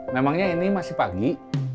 memangnya ini masih pagi